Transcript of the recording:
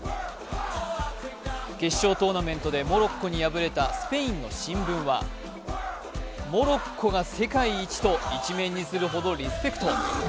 決勝トーナメントで、モロッコに敗れたスペインの新聞はモロッコこそが世界一と１面にするほどリスペクト。